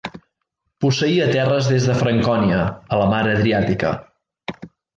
Posseïa terres des de Francònia a la mar Adriàtica.